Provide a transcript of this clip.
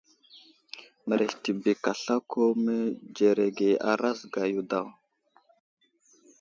Mərez tibik aslako mənzerege a razga yo daw.